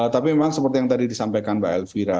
tapi memang seperti yang tadi disampaikan mbak elvira